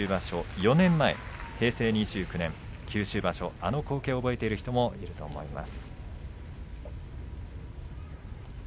４年前、平成２９年九州場所あの光景を覚えている方もいると思います。